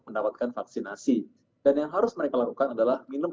mendapatkan vaksinasi dan yang harus mereka lakukan adalah minum